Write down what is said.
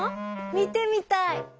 みてみたい。